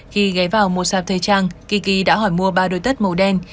khi ghé vào một sạp thời trang kiki đã hỏi mua ba đồi tất màu đen